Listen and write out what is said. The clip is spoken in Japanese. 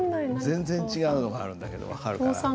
全然違うのがあるんだけど分かるかな？